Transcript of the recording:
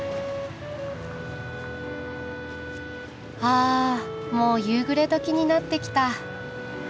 あもう夕暮れ時になってきた。